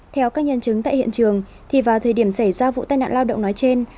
theo các nhân chứng tại hiện trường vào thời điểm xảy ra vụ tai nạn lao động nói trên